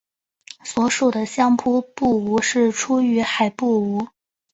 所属的相扑部屋是出羽海部屋。